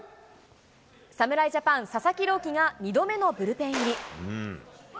侍ジャパン、佐々木朗希が２度目のブルペン入り。